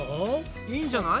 いいんじゃない？